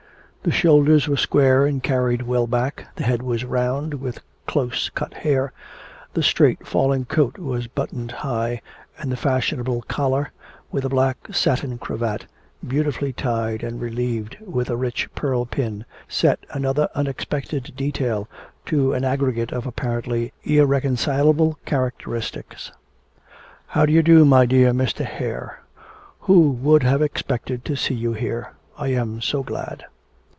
The shoulders were square and carried well back, the head was round, with close cut hair, the straight falling coat was buttoned high, and the fashionable collar, with a black satin cravat, beautifully tied and relieved with a rich pearl pin, set another unexpected detail to an aggregate of apparently irreconcilable characteristics. 'And how do you do, my dear Mr. Hare? Who would have expected to see you here? I am so glad.'